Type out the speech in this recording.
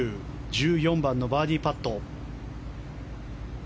１４番のバーディーパット。